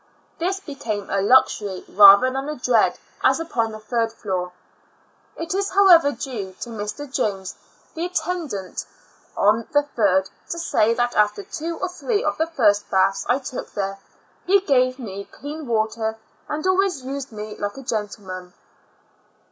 This became a luxury rather than a dread, as upon the third floor. It is, how Over, due to Mr. Jones, the attendant on the third, to say that after two or three of the first baths I took there, he gave me clean water, and always used me like a gentleman.